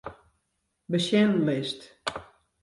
Besjenlist.